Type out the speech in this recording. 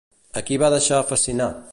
A qui va deixar fascinat?